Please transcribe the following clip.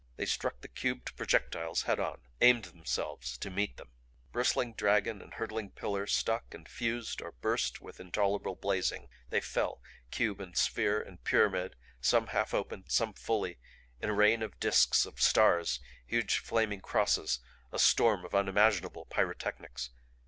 They struck the cubed projectiles head on; aimed themselves to meet them. Bristling dragon and hurtling pillar stuck and fused or burst with intolerable blazing. They fell cube and sphere and pyramid some half opened, some fully, in a rain of disks, of stars, huge flaming crosses; a storm of unimaginable pyrotechnics.